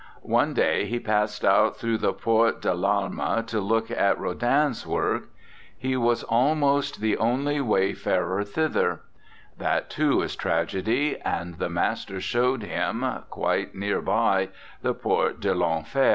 One day he passed out through the Porte de 1'Alma to look at Rodin's work. He was almost the only 81 RECOLLECTIONS OF OSCAR WILDE wayfarer thither. That, too, is tragedy; and the master showed him, quite near by, the Porte de 1'Enfer.